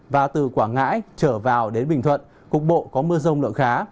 và từ quảng ngãi trở vào đến bình thuận cục bộ có mưa rông lượng khá